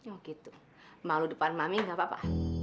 oh gitu malu depan mami nggak apa apa